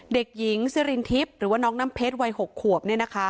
เด็กหญิงซิรินทิพย์หรือว่าน้องน้ำเพชรวัย๖ขวบ